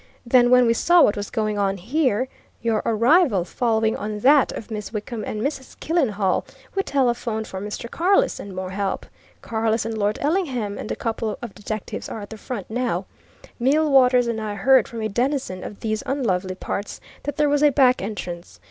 Then, when we saw what was going on here, your arrival following on that of Miss Wickham and Mrs. Killenhall, we telephoned for Mr. Carless and more help. Carless and Lord Ellingham, and a couple of detectives, are at the front now. Millwaters and I heard from a denizen of these unlovely parts that there was a back entrance.